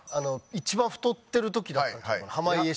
一番太ってる時だった濱家史上。